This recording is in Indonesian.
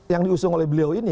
yang diusung oleh beliau ini